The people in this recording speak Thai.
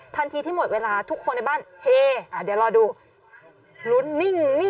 ทันทีที่หมดเวลาทุกคนในบ้านเฮ่อ่ะเดี๋ยวรอดูรุ้นนิ่งเลย